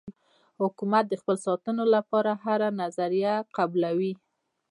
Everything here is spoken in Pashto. حکومت د خپل ساتلو لپاره هره نظریه قبلوي.